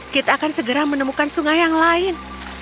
kita akan segera menemukan sungai yang lain